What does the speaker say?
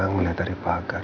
ngeliat dari panggilan